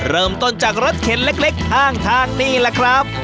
เริ่มต้นจากรถเข็นเล็กข้างทางนี่แหละครับ